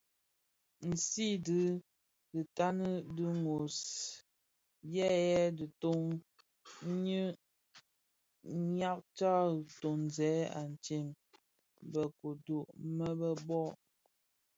Nsiň dhi ditani di nôs, ntseyèn diton nyi nʼyaksag tsōzèn atsee bë kodo bëmebög.